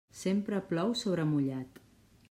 Sempre plou sobre mullat.